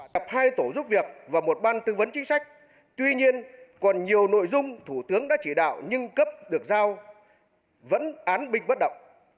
tập hai tổ giúp việc và một ban tư vấn chính sách tuy nhiên còn nhiều nội dung thủ tướng đã chỉ đạo nhưng cấp được giao vẫn án binh bất động